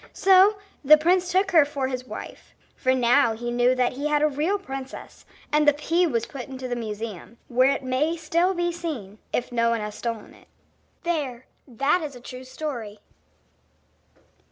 So the prince took her for his wife, for now he knew that he had a real princess; and the pea was put in the museum, where it may still be seen, if no one has stolen it. There, that is a true story.